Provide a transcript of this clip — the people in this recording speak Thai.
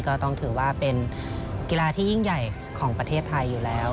ก็ต้องถือว่าเป็นกีฬาที่ยิ่งใหญ่ของประเทศไทยอยู่แล้ว